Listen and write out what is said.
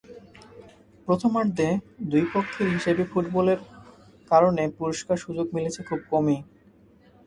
প্রথমার্ধে দুই পক্ষের হিসেবি ফুটবলের কারণে পরিষ্কার সুযোগ মিলেছে খুব কমই।